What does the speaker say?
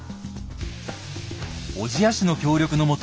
小千谷市の協力のもと